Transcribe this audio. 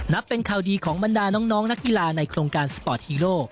เป็นข่าวดีของบรรดาน้องนักกีฬาในโครงการสปอร์ตฮีโร่